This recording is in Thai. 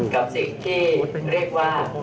กับสิ่งที่เรียกว่า